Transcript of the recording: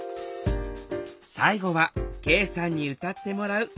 最後は恵さんに歌ってもらう。